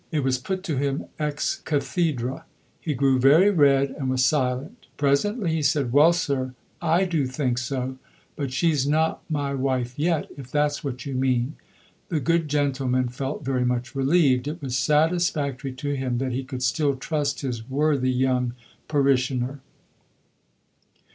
It was put to him ex cathedrâ. He grew very red and was silent; presently he said, "Well, sir, I do think so. But she's not my wife yet, if that's what you mean." The good gentleman felt very much relieved. It was satisfactory to him that he could still trust his worthy young parishioner.